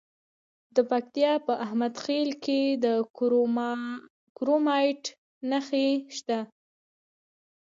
د پکتیا په احمد خیل کې د کرومایټ نښې شته.